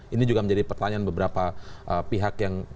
ini juga menjadi pertanyaan beberapa pihak yang